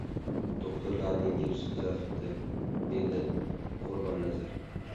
Do‘xtirlarning gipsi tuzatibdi, — dedi Qurbonnazar.